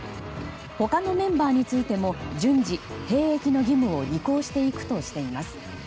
他のメンバーについても順次、兵役の義務を履行していくとしています。